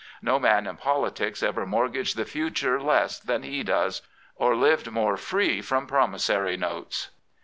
No man in politics ever mortgaged the future less than he does, or lived more free from promissory notes.